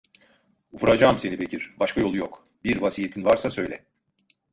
Vuracağım seni Bekir, başka yolu yok; bir vasiyetin varsa söyle!